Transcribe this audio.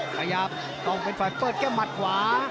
ขยับต้องเป็นฝ่ายเปิดแก้มหัว